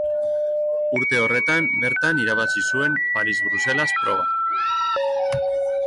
Urte horretan bertan irabazi zuen Paris-Bruselas proba.